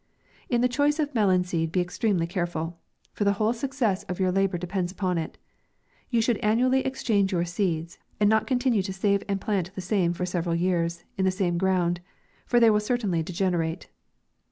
In the choice of melon seed be extremely careful ; for the whole success of your labour depends upon it. You should annually ex change your seeds, and not continue to save and plant the same for several years in the same ground, for they will certainly degene rate.